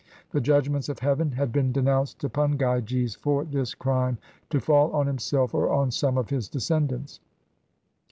The judgments of Heaven had been denounced upon Gyges for this crime, to fall on himself or on some of his descendants.